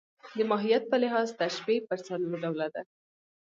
د ماهیت په لحاظ تشبیه پر څلور ډوله ده.